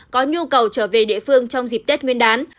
có nhu cầu trở về địa phương trong dịp tết nguyên đán